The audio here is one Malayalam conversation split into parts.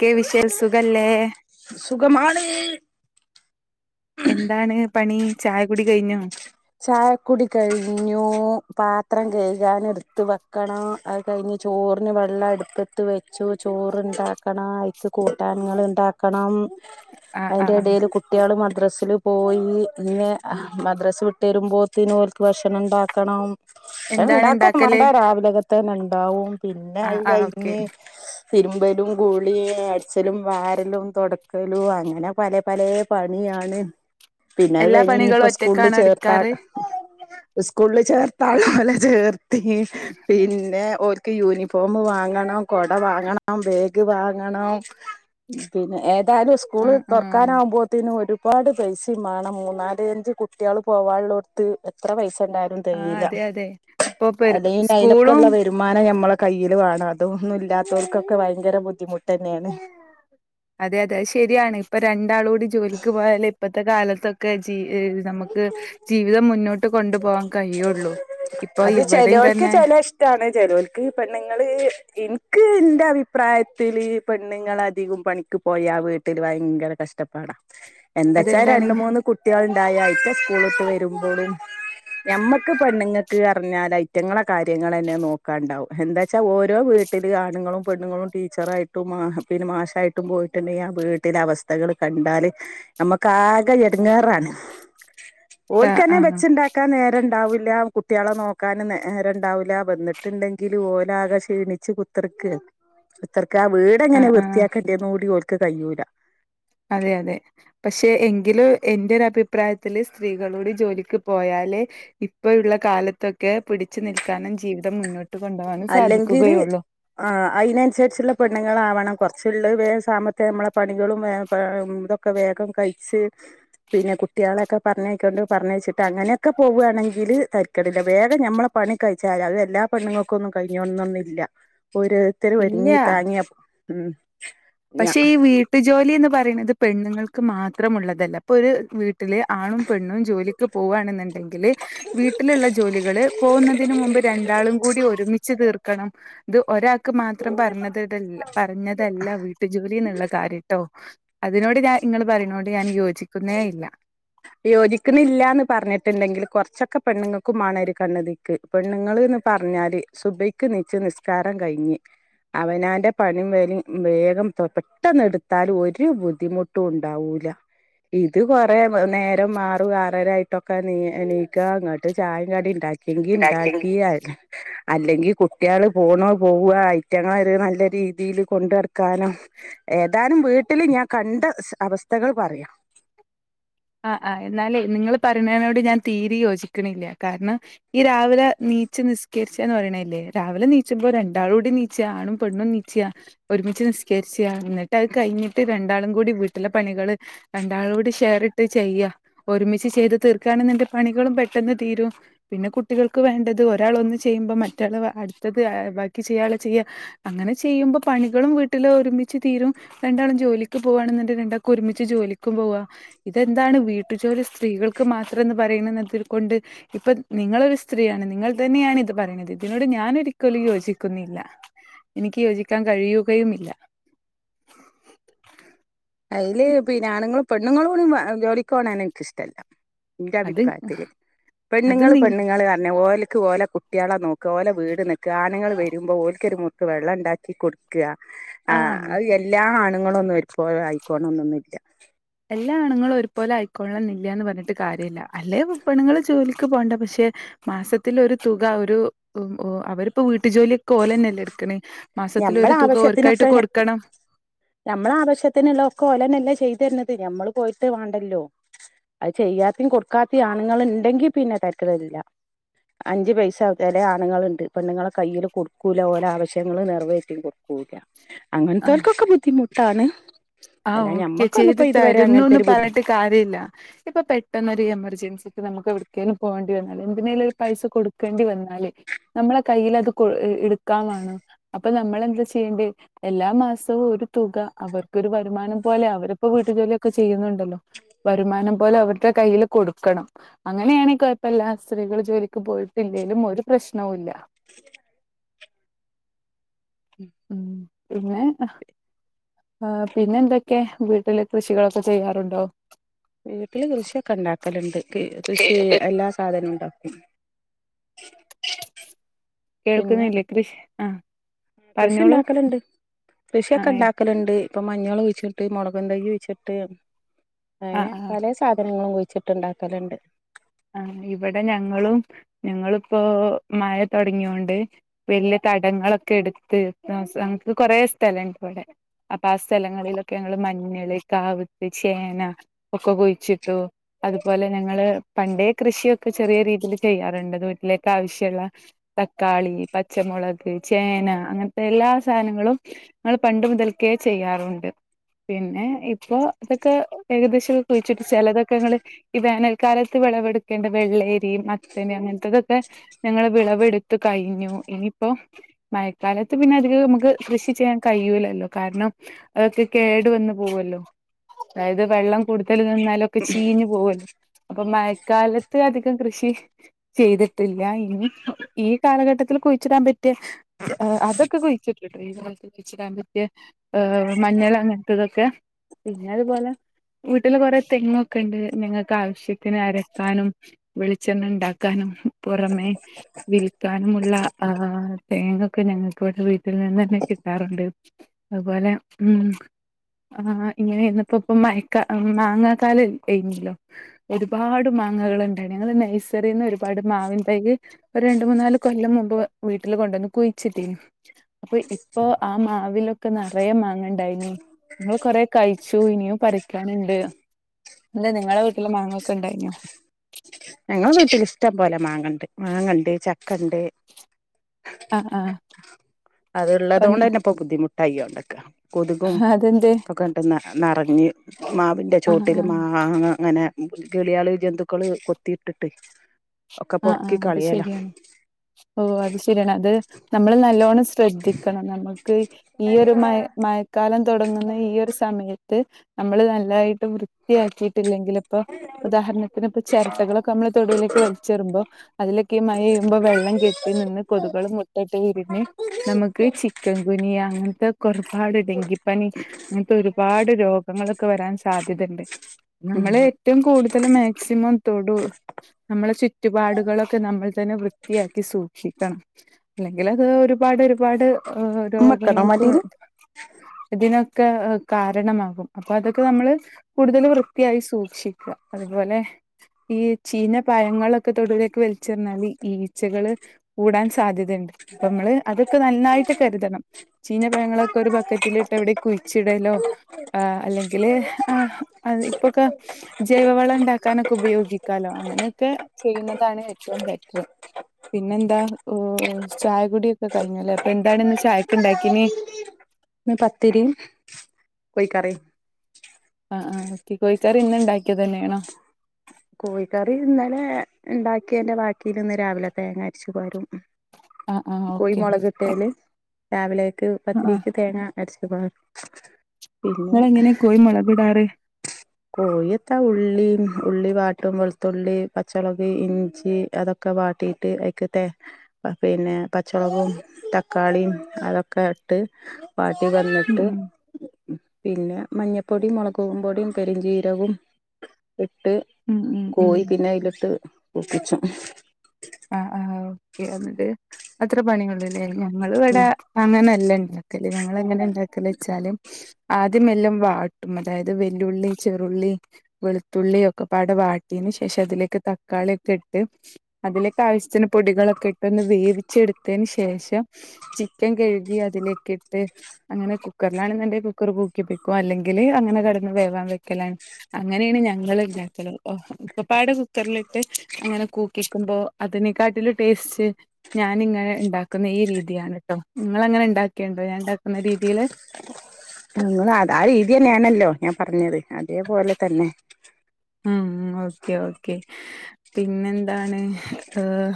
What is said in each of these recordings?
ക്കെ വിഷൽ സുഖല്ലേ സുഖമാണ് എന്താണ് പണി ചായ കുടി കയ്ഞ്ഞോ ചായക്കുടി കഴിഞ്ഞു പാത്രം കഴ്കാൻ ഇട്ത്ത് വെക്കണം അത് കഴിഞ്ഞ് ചോർന് വെള്ളം അട്പ്പത്ത് വെച്ചു ചോർണ്ടാക്കണം അയ്ക്ക് കൂട്ടാൻങ്ങൾ ഇണ്ടാ ക്കണം ആഹ് അതിന്റെ ആഹ് ആഹ് എടേല് കുട്ടേൾ മദ്രസില് പോയി ഇന്നെ മദ്രസ് വി ട്ട് വരുമ്പോത്തിന് ഓൽക്ക് ഭക്ഷണം ഇണ്ടാക്കണം ഭക്ഷണം എന്താണ് ഇണ്ടാ കൊന്നും ഇണ്ടാക്കല് വാണ്ടാ രാവിലെക്ക ത്തന്ന ഇണ്ടാവും പിന്നെ ആഹ് അത് ആഹ് ഓക്കെ കഴിഞ്ഞ് തിര്മ്പലും കുളിം അടിച്ചലും വാരലും തൊടക്കലും അങ്ങന പല പലേ പണിയാണ് പിന്നെ അത് എല്ലാ കഴിഞ്ഞ് പണികളും ഇഞ്പ്പോ സ്കൂൾ ഒറ്റക്കാണോ ചേർ എടുക്കാറ് സ്കൂള്ള് ചേർത്താള്ളൊല്ലേ ചേർത്തി പിന്നെ ഓ ക്ക് യൂനിഫോം വാങ്ങണം കൊട വാങ്ങണം ബേഗ് വാങ്ങണം പിന്നെ ഏതാലും സ്കൂള് ഉം ഉം തൊറക്കാനാവുമ്പോത്തിനും ഒരു പാട് പൈസിം മാണം മൂന്നാല് അഞ്ച് കുട്ടേൾ പോവാ ഇള്ളോട്ത്ത് എത്ര പൈസ ഇണ്ടാ ആഹ് തയീല അതെ അതെ ഇപ്പൊ പെര് അല്ലങ്കി പിന്നേ അയ്നൊക്ക സ്കൂളും ളളവരു മാനം ഞമ്മള കയ്യിൽ വാണം അതൊന്നും ഇല്ലാത്തോർക്കൊക്കേ ഭയങ്കര ബുദ്ധിമുട്ടന്നേണ് അതെ അതെ അത് ശരിയാണ് ഇപ്പ രണ്ടാളൂടി ജോലിക്ക് പോയാലേ ഇപ്പത്തെ കാലത്തൊ ക്ക ജീ നമ്മക്ക് ജീവിതം മുന്നോ ട്ട് കൊണ്ടു പോവാൻ കഴിയൊള്ളൂ ഇപ്പൊ ഇവടീം തന്നെ ട്ടാണ് ചെലോൽക്ക് പെണ്ണ്ങ്ങള് ഇന്ക്ക് ഇന്റെ അഭിപ്രായത്തില് പെണ്ണ്ങ്ങളദിക്കും പണിക്ക് പോയാ വീ ട്ട്ല് ഭയങ്കര കഷ്ടപ്പാടാ എന്താ ച്ചാ അതെന്താണ് രണ്ട് മൂന്ന് കുട്ടേൾ ഇണ്ടായാ അയ്റ്റ സ്കൂളൾ വിട്ട് വരുമ്പോളും ഞമ്മക്ക് പെണ്ണ്ങ്ങക്ക് അർഞ്ഞാല അയ്റ്റങ്ങളെ കാര്യങ്ങളെന്നേ നോക്കാണ്ടാവും എന്താച്ചാ ഓരോ വീട്ടിൽ ആൺങ്ങളും പണ്ണ്ങ്ങളും ടീച്ചറായി ട്ടും മാ പിന്നെ മാഷായിട്ടും പോയിട്ട്ണ്ടെിങ്കി ആ വീട്ടിലേ അവസ്ഥകൾ കണ്ടാല് നമ്മക്ക് ആഖ എടങ്ങേറാണ് ആഹ് ഓൽക്കന്നെ വെ ആഹ് ണ്ടാക്കാ നേര ഇണ്ടാവൂല കുട്ടെളെ നോക്കാൻ നേര ഇണ്ടാവൂല്ല വന്ന്ട്ട് ണ്ടെങ്കിൽ ഓല ആകെ ക്ഷീണി ച്ച് കുത്ത്ർക്ക് കുത്ത്ർക്ക ആ വീട് എങ്ങനെ ആഹ് ആഹ് വൃത്തിയാക്കണ്ടേന്ന് കൂടി ഓൽക്ക് കയ്യൂല അതെ അതെ പക്ഷെ എങ്കിലും എന്റെ ഒര അഭിപ്രായത്തില് സ്ത്രീകളൂടി ജോലിക്ക് പോയാലേ ഇപ്പ യുള്ള കാലത്തൊക്കെ പിടിച്ചു നിൽക്കാനും ജീവിതം മുന്നോ അല്ലെങ്കില് ആഹ് അയ്നൻസര്ച്ച്ള്ള പെണ്ണ്ങ്ങളൾ ആവണം കൊറച്ച്ള്ളത് വേ സാമർത്തെ നമ്മള പണികളും വേ ഒക്കെ വേഗം കയ്ച്ച് പിന്നെ കുട്ടെളൊക്കെ പറഞ്ഞ യ്ക്കൊണ്ട് പറഞ്ഞയ്ച്ച്ട്ട് അങ്ങനെക്കെ പോവാണെങ്കിൽ ത ക്കണ്ടില്ല വേഗം ഞമ്മളപണി കഴിച്ചാൽ അത് എല്ലാ പണ്ണ്ങ്ങ കൊന്നും കഴിഞ്ഞോൺന്നൊന്നില്ല ഓരേര്ത്തര് ഇല്ല ഒര്ങ്ങി താങ്ങി എ ഉം പക്ഷെ ഈ വീട്ട്ജോലി ന്ന് പറിണത് പെണ്ണ്ങ്ങൾക്ക് മാത്രമുള്ളതല്ല ഇപ്പൊ ഒര് വീ ട്ട്ല് ആണും പെണ്ണും ജോലിക്ക് പോവാൺന്ന്ണ്ടെങ്കിൽ വീട്ടില്ള്ള ജോലികള് പോവുന്നതിന് മുമ്പ് രണ്ടാളും കൂടി ഒരുമിച്ച് തീർക്കണം ഇത് ഒരാൾക്ക് മാത്രം പറഞ്ഞത് തല്ല പറഞ്ഞതല്ല വീട്ടു ജോലി ന്ന്ള്ള കാര്യട്ടോ അതിനോട് ഞാ ഇങ്ങൾ പറയുന്നൊണ്ട് ഞാൻ യോജിക്കുന്നേ ഇല്ല യോജിക്ക്ണില്ലാന്ന് പർഞ്ഞിട്ട്ണ്ടെങ്കില് കൊർച്ചൊക്കെ പെണ്ണുങ്ങക്കുംമാണം ഒരു കണ്ണുതിക്ക് പെണ്ണുങ്ങളീന്ന് പർഞ്ഞാല് സുബയ്ക്ക് നീച്ച് നിസ്കാരം കഴ്ഞ്ഞി അവനാന്റെ പണിം വെലിം വേഗം തൊ പെട്ടെന്ന് എടുത്താലും ഒരു ബുദ്ധിമുട്ടും ഉണ്ടാവൂല ഇത് കൊറെ നേരം ആറും ആറരായിട്ടൊക്കെ നീ എണീക്ക ങ്ങട്ട് ചായും കടീംണ്ട ഉണ്ടാക്കിയെങ്കിൽ ല്യങ്കിണ്ടാക്കി [unintelligible] അല്ലെങ്കി കുട്ട്‌യാള് പോണൊ പോവ ഐറ്റങ്ങളൊരു നല്ല രീതീല് കൊണ്ടട്ക്കാനും ഏതാനും വീട്ടില് ഞാൻ കണ്ട അവസ്ഥകൾ പറയാ ആഹ് ആഹ് എന്നാലേ നിങ്ങള് പറണേനോട് ഞാൻ തീരെ യോജിക്ക്ണില്ല കാരണം ഈ രാവിലെ നീച്ച് നിസ്കരിച്ചാന്ന് പറയ്ണില്ലേ രാവിലെ നീച്ചുമ്പോ രണ്ടാളൂടി നീ ച്ച ആണും പെണ്ണും നീച്ച ഒരുമിച്ച് നിസ്കെര്ച്ച എന്നിട്ടഹ് കഴിഞ്ഞിട്ട് രണ്ടാളും കൂടി വീട്ടിലെ പണികള് രണ്ടാളുടി ഷെയറിട്ട് ചെയ്യ ഒരുമിച്ച് ചെയ്ത് തീർക്കാണ്ന്നിന്റെ പണികളും പെട്ടെന്ന് തീരും പിന്നെ കുട്ടികൾക്ക് വേണ്ടത് ഒരാൾ ഒന്ന് ചെയ്യുമ്പോ മറ്റാള് അടുത്തത് ബാക്കി ചെയ്യാളെ ചെയ്യാ അങ്ങനെ ചെയ്യുമ്പോ പണികളും വീട്ടില് ഒരുമിച്ച് തീരും രണ്ടാളും ജോലിക്ക് പോവാണെന്നുണ്ടെ രണ്ടാൾക്കും ഒരുമിച്ച് ജോലിക്കും പോവാ ഇതെന്താണ് വീട്ടുജോലി സ്ത്രീകൾക്ക് മാത്രംന്ന് പറയണതിൽ കൊണ്ട് ഇപ്പൊ നിങ്ങളൊരു സ്ത്രീയാണ് നിങ്ങൾ തന്നെയാണ് ഇത് പറയിണത് ഇതിനോട് ഞാൻ ഒരിക്കലും യോജിക്കുന്നില്ല എനിക്ക് യോജിക്കാം കഴിയുകയുമില്ല അയ്ല് പിന്നെ ആണുങ്ങളും പെണ്ണുങ്ങളൂടിം ജോലിക്കോണേന്നെ ഇൻക്കിഷ്ട്ടല്ല്യ ഇന്റെ അത് അഭിപ്രായത്തില് അത് പെണ്ണുങ്ങള് നി പെണ്ണുങ്ങളീർഞ്ഞ ഓൽക്ക് ഓലെ കു കുട്ട്‌യാളെ നോക്ക ഓല വീട് നിക്ക ആണ്ങ്ങള് വെരുമ്പോ ഓൽക്കൊരു മുർക്ക് വെള്ളണ്ടാക്കി കൊട് ക്ക ആഹ് അഹ് എല്ലാ ആണുങ്ങളൊന്നും ഒരുപോലായിക്കോണണൊന്നന്നുല്യ എല്ലാ ആണുങ്ങളും ഒരുപോലെ ആയിക്കൊൾണംന്നില്ല്യാന്ന് പർഞ്ഞിട്ട് കാര്യല്ല അല്ലെപ്പെണുങ്ങൾ ജോലിക്ക് പോണ്ട പക്ഷെ മാസത്തിലൊരു തുക ഒരു അവരിപ്പോ വീട്ടുജോലി കോലന്നെല്ലെട്ക്ക്ണേ ഞമ്മളെ മാസത്തിലൊരു തുക ഓര്ക്കായിട്ട് കൊടുക്കണം നമ്മളെ ആവശ്യത്തിനുള്ളൊക്കെ ഓലന്നല്ലേ ചെയ്തെര്ണത് ഞമ്മള് പോയിട്ട് വാണ്ടല്ലോ അത് ചെയ്യാത്തിം കൊടുക്കാത്തിം ആണുങ്ങള്ണ്ടെങ്കി പിന്നെ തര്ക്കെടില്ല അഞ്ച് പൈസ ചെലേ ആണുങ്ങളിണ്ട് പെണ്ണുങ്ങളെ കയ്യില് കൊട്ക്കൂല ഓലെ ആവശ്യങ്ങള് നിറവേറ്റിം കൊട്ക്കൂല ആഹ് അങ്ങൻത്തോൽക്കൊക്കെ ബുദ്ധിമുട്ടാണ്. ആഹ് അല്ല ഓക്കെ ചെയ്ത് ഞമ്മക്കൊന്നുപ്പോ ഇതുവരെ അങ്ങനത്തെ തരുന്നൂന്ന് ഒരു ബുദ്ധി പർഞ്ഞിട്ട് കാര്യയില്ല ഇപ്പൊ പെട്ടെന്നൊരു എമർജൻസി ക്ക് നമുക്ക് എവിട്ക്കേലും പോകേണ്ടി വന്നാല് എന്തിനേലും ഒരു പൈസ കൊടുക്കേണ്ടി വന്നാല് നമ്മളെ കയ്യിലത് കൊ ഇഹ് ഇഹ്ഇട് ക്കാം വാണം അപ്പൊ നമ്മളെന്താ ചെയ്യണ്ട്‌യേ എല്ലാ മാസവും ഒരു തുക അവർ ക്കൊരു വരുമാനം പോലെ അവരിപ്പൊ വീട്ടുജോലൊക്കെ ചെയ്യുന്നുണ്ടല്ലോ വരുമാനം പോലെ അവരുടെ കയ്യില് കൊടുക്കണം അങ്ങനെയാണെ കൊഴപ്പല്ലാ സ്ത്രീകൾ ജോലിക്ക് പോയിട്ടില്ലേലും ഒരു പ്രശ്നവുംല്ല ഉം പിന്നെ ആഹ് പിന്നെ എന്തൊക്കെ വീട്ടില് കൃഷികളൊക്കെ ചെയ്യാറുണ്ടോ? വീട്ടില് കൃഷിയൊക്കെണ്ടാക്കലിണ്ട്. കൃഷി ഏഹ് എല്ലാ സാധനുംണ്ടാക്കും. പിന്നെ കേൾക്കുന്നില്ലേ കൃഷി ആ പറഞ്ഞോളൂ കൃഷിണ്ടാക്കലിണ്ട് ആ കൃഷിയൊക്കെണ്ടാക്ക ലിണ്ട് ഇപ്പൊ മഞ്ഞൾ കുയ്ച്ചിട്ട് മുളക്ന്തയ്യ് കുയ്ച്ചിട്ട് ആ അങ്ങനെ ആ പലെ സാധനങ്ങളും കുഴിച്ചിട്ട്ണ്ടാക്കലിണ്ട് ആഹ് ഇവടെ ഞങ്ങളും ഞങ്ങളിപ്പോ മഴ തൊട്ങ്ങ്യോണ്ട് വെല്യ തടങ്ങളൊക്കെ എടുത്ത് തവസ് അങ്ങക്ക് കുറേ സ്ഥലിണ്ട് ഇവടെ. അപ്പ ആ സ്ഥലങ്ങളിലൊക്കെ ഞങ്ങള് മഞ്ഞള്, കാവിത്ത്, ചേന ഒക്കെ കുയിച്ചിട്ടു അതുപോലെ ഞങ്ങള് പണ്ടേ കൃഷിയൊക്കെ ചെറിയ രീതില് ചെയ്യാറുണ്ട് അത് വീട്ടിലേക്ക് ആവിശ്യുള്ളെ. തക്കാളി, പച്ചമുളക്, ചേന അങ്ങൻത്തെ എല്ലാ സാധനങ്ങളും ങ്ങൾ പണ്ട് മുതൽക്കേ ചെയ്യാറുണ്ട്. പിന്നെ ഇപ്പൊ ഇതൊക്കെ ഏകദേശം കുഴിച്ചിട്ട് ചിലതൊക്കെങ്ങള് ഈ വേനൽക്കാല ത്ത് വെളവെടുക്കേണ്ട വെള്ളേരി മത്തന് അങ്ങത്തൊക്കെ ഞങ്ങള് വിളവെടുത്ത് കഴിഞ്ഞു ഇനിപ്പോ മഴക്കാലത്ത് പിന്നെ അധികം നമുക്ക് കൃഷി ചെയ്യാൻ കഴിയൂലല്ലോ കാരണം അതൊക്കെ കേടു വന്നു പോവല്ലോ, അതായത് വെള്ളം കൂടുതൽ നിന്നാല് ഒക്കെ ചീഞ്ഞ് പോവല്ലോ. അപ്പൊ മഴക്കാലത്ത് അധികം കൃഷി ചെയ്തിട്ടില്ല ഇനി ഈ കാലഘട്ടത്തിൽ കുഴിച്ചിടൻ പറ്റിയെ ഏഹ് അതൊക്കെ കുഴിച്ചിട്ടിട്ട്. ഈ കാലത്ത് കുയിച്ചിടാൻ പറ്റിയെ ഏഹ് മഞ്ഞൾ അങ്ങനത്തതൊക്കെ പിന്നെ അതുപോലെ വീട്ടില് കുറെ തെങ്ങൊക്കെ ഇണ്ട് ഞങ്ങക്ക് ആവശ്യ ത്തിരി അരക്കാനും, വെളിച്ചെണ്ണ ഇണ്ടാക്കാനും പുറമെ വിൽക്കാനുമുള്ള ആഹ് തേങ്ങൊക്കെ ഞങ്ങൾക്കിവിടെ വീട്ടിൽ നിന്ന് തന്നെ കിട്ടാറുണ്ട്. അതുപോലെ ഉം ആഹ് ഇങ്ങനെ ഇന്ന് ഇപ്പോ പ്പോ മയക്ക മാങ്ങാക്കാല ഏയിഞ്ഞല്ലോ. ഒരുപാട് മാങ്ങകളുണ്ടായി ഞങ്ങള് നേഴ്സ്സറിന്ന് ഒരുപാട് മാവിൻ തയ്യ് ഒരു രണ്ട് മൂന്നാല് കൊല്ലം മുമ്പ് വീട്ടില് കൊണ്ടന്ന് കുഴിച്ചിട്ടീന്. അപ്പൊ ഇപ്പൊ ആ മാവിലൊക്കെ നെറയെ മാങ്ങണ്ടായിനി. ങ്ങൾ കൊറെ കഴിച്ചു ഇനിയും പറിക്കാനിണ്ട് നിങ്ങളെ വീട്ടില് മാങ്ങ ക്കിണ്ടായിഞ്ഞോ? ഞങ്ങളെ വീട്ടില് ഇഷ്ടം പോലെ മാങ്ങിണ്ട് മാങ്ങിണ്ട് ചക്കിണ്ട്. ആഹ് ആഹ്. അത് ഇള്ളതോണ്ട് അന്നെ ഇപ്പൊ ബുദ്ധിമുട്ട് ആയോണ്ടിക്ക. കൊതുകും അതെന്തേ ഒക്കെട്ട് നെറഞ്ഞ് മാവിൻ്റെ ആഹ് ചോട്ടിൽ ആഹ് മാ ഇങ്ങനെ കിളിയാള് ജന്തുക്കള് കൊത്തിയിട്ടിട്ട് ഒക്കെ ആഹ് പൊർക്കി ആഹ് അത് കളയല. ശരിയാണ് ഓ അത് ശരിയാണ് അത് നമ്മള് നല്ലോണം സ്‌ ശ്രദ്ധിക്കണം നമുക്ക് ഈ ഒരു മഴ് മഴത്ത് ക്കാലം തുടങ്ങുന്ന ഈ ഒരു സമയത്ത് നമ്മള് നല്ലതായിട്ട് വൃ ത്തിയാക്കിയിട്ടില്ലെങ്കിലിപ്പോ ഉദാഹരണത്തിന് ഇപ്പ ചെരട്ടകളൊക്കെ നമ്മള് തൊടീലേക്ക് വലിച് ചെറുമ്പോ അതിലൊക്കെ ഈ മഴെയ്യുമ്പോ വെള്ളം കെട്ടി നിന്ന് കൊതുകള് മുട്ടിട്ട് വിരിഞ്ഞ് നമ്മക്ക് ചിക്കൻ കുനിയ അങ്ങൻത്തെ ക്കൊറുപാട് ഡെങ്കിപ്പനി അങ്ങനത്തെ ഒരുപാട് രോഗങ്ങളൊക്കെ വരാൻ സാധ്യത ഇണ്ട്. ഞമ്മള് ഏറ്റവും കൂടുതൽ മാക്സിമം തൊടു നമ്മളെ ചു റ്റുപാടുകളൊക്കെ നമ്മൾ തന്നെ വൃത്തിയാക്കി സൂക്ഷിക്കണം. അല്ലെങ്കിലൊക്കെ ഒരുപാട് ഒരുപാട് ഏഹ് ഉമ്മക്കണോ രോഗങ്ങൾക്കും മടിയില് ത് ഇതിനൊക്കെ കാരണമാകും അപ്പൊ അതൊക്കെ നമ്മള് കൂടുതൽ വൃത്തിയായി സൂക്ഷിക്ക അതുപോലെ ഈ ചീഞ പഴങ്ങള് ക്കെ തൊടുലേക്ക് വലിച്ചറിഞ്ഞാല് ഈച്ചകള് കൂടാൻ സാധ്യത ഇണ്ട് അപ്പ ഇമ്മള് അതൊക്കെ നന്നായിട്ട് കരുതണം. ചീഞ പഴങ്ങളൊക്കെ ഒരു ബക്കറ്റിലിട്ട് എവിടെ കുഴിച്ചിടലോ ആഹ് അല്ലെങ്കില് ആഹ് അതി ഇപ്പക്കെ ജൈവവളം ഇണ്ടാക്കാനൊക്കെ ഉപയോഗിക്കാലോ അങ്ങനെയൊക്കെ ചെയ്യുന്നതാണ് ഏറ്റവും ബെറ്റർ പിന്നെന്താ ഓ ചായ കുടിയൊക്കെ കഴിഞ്ഞല്ലേ അപ്പൊ എന്താണ് ഇന്ന് ചായക്ക്‌ ഇണ്ടാക്കിന് ഇന്ന് പത്തിരിം കോഴിക്കറിം ആഹ് ആഹ് ഒക്കെ കോഴിക്കാറിന്ന് ഇന്ന് ഇണ്ടാക്കിയത് തന്നേനോ കോഴിക്കറി ഇന്നലെ ഇണ്ടാക്യേന്റെ ബാക്കിൽ ഇന്ന് രാവിലെ തേങ്ങ അരച്ച് പാരും ആഹ് ആഹ് ഓക്കെ കൊയിമൊളകെട്ടേല് രാവിലേക്ക് ആഹ് പത്തിരീക്ക് തേങ്ങ അര്ച്ട്ട് പാർ ഇങ്ങളെങ്ങനെ കോയി മൊളകിടാർ കോഴിയത്താ ഉള്ളി ഉള്ളി വാട്ടും വെളുത്തുള്ളി പച്ചളക് ഇഞ്ചി അതൊ ഒക്കെ വാട്ടിയിട്ട് അയിക്ക് തേ പിന്നെ പാച്ചൊളകും തക്കാളിം അതൊക്കെ ഇട്ട് വാട്ടി ഉം വന്നിട്ട് ഉം പിന്നെ മഞ്ഞപ്പൊടി മുളകും പൊടിയും പെരിഞ്ചീരകും ഇട്ട് ഉം ഉം ഉം കോയി പിന്നെ അയിലിട്ട് വറ്റിച്ചും ആഹ് ആഹ് എന്നിട്ട് അത്ര പണികള് നേൽ ഞങ്ങളകവ്ടെ ഉം അങ്ങനെല്ല ഇണ്ടാക്കല് ഞങ്ങൾ എങ്ങനെണ്ടാക്കല് വെച്ചാല് ആദ്യമെല്ലാം വാട്ടും അതായത് വെല്ലുള്ളി ചെറുള്ളി വെളുത്തുള്ളി ഒക്കെ പാടെ വാട്ടിയന് ശേഷം അതിലേക്ക് തക്കാളി ഒക്കെ ഇട്ട് അതിലെക്ക് അവശ്യത്തിന് പൊടികളൊക്കെ ഇട്ടൊന്ന് വേവിച്ചെടുത്തതിന് ശേഷം ചിക്കൻ കഴുകി അതിലേകിട്ട് അങ്ങനെകു ക്കറിലാണ്ന്ന്ണ്ടേ കുക്കർ കൂക്കിപ്പിക്കും അല്ലെങ്കില് അങ്ങനെ കടന്ന് വേവാൻ വെക്കലാണ് അങ്ങനെണ് ഞങ്ങള് ഇണ്ടാക്കല് ഓക്കപ്പാടെ കുക്കറിലിട്ട് അങ്ങനെ കൂക്കിക്കുമ്പോ അതിന് കാട്ടില് ടേസ്റ്റ് ഞാന്ങ്ങനെ ഇണ്ടാക്കുന്ന ഈ രീതിയാണട്ടോ ഇങ്ങളെങ്ങനെ ഇണ്ടാക്കിയണ്ടോ ഞാൻ ഉണ്ടാക്കുന്ന രീതിൽ നിങ്ങൾ അത് ആഹ് രീതി തന്നെയാണല്ലോ ഞാൻ പറഞ്ഞത് അതേപോലെ തന്നെ ഉം ഉം ഓക്കേ ഓക്കേ പിന്നെന്താണ് ഏഹ്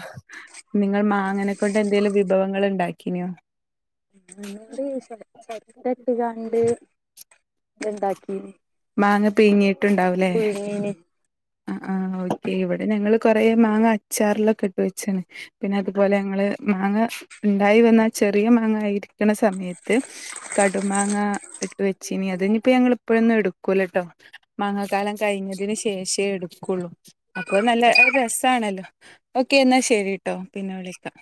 നിങ്ങൾ മാങ്ങനെകൊണ്ട് എന്തെലും വിഭവങ്ങള്ണ്ടാക്കിനോ ഇണ്ട് പക്ഷെ ചെരട്ട ഇട്ട്ങ്ങാണ്ട് ഇണ്ടാക്കീനി മാങ്ങ ബിരേനി അഹ് ആഹ് ഓക്കെ ഇവിടെ ഞങ്ങള് കൊറെ മാങ്ങ അച്ചാറിലൊക്കെ ഇട്ട് വെച്ചാണ് പിന്നെ അതുപോലെ ഞങ്ങള് മാങ്ങ ഇണ്ടായി വന്ന ചെറിയ മാങ്ങ ആയിരിക്കണ സമയത്ത് കടുമാങ്ങ ഇട്ട് വെച്ചീനി അതിനിപ്പോ ഞങ്ങള്പ്പഴൊന്നും എടുക്കൂലട്ടോ മാങ്ങക്കാലം കഴിഞ്ഞതിന് ശേഷെ എടുക്കുള്ളൂ അപ്പൊ നല്ല രസാണല്ലോ ഓക്കേ എന്നാ ശരിട്ടോ പിന്നെ വിളിക്കാം